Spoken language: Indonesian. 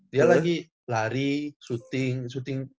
dia lagi lari shooting